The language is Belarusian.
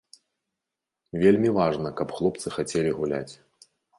Вельмі важна, каб хлопцы хацелі гуляць.